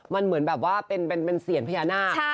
มันเหมือนแบบว่าเป็นเซียนพญานาค